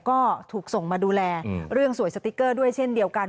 ก็ถูกส่งมาดูแลเรื่องสวยสติ๊กเกอร์ด้วยเช่นเดียวกัน